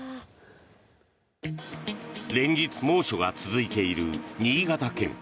連日、猛暑が続いている新潟県。